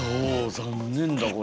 残念だこれは。